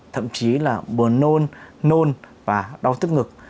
thậm chí là buồn nôn nôn và đau tức ngực